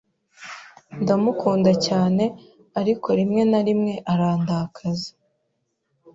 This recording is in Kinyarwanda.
Ndamukunda cyane, ariko rimwe na rimwe arandakaza.